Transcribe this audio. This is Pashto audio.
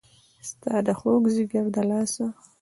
ستا د خوږ ځیګر د لاسه